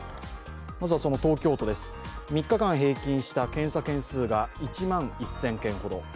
東京都です、３日間平均した検査件数が１万１０００件ほど。